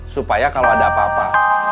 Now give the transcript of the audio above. supaya kalau ada apa apa